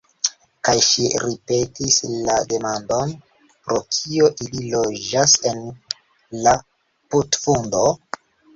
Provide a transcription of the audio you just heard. Kaj ŝi ripetis la demandon: "Pro kio ili loĝis en la putfundo?"